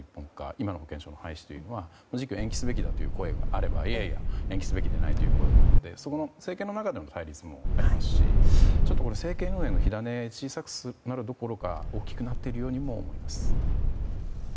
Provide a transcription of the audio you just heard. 今の保険証の廃止は延期すべきだという声もあればいやいや延期すべきではないという声もあり政権の中での対立もあるし政権運営の火種を小さくするどころか大きくなっているようにも思います。